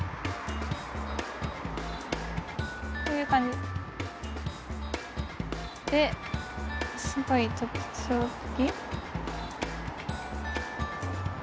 こういう感じ？ですごい特徴的。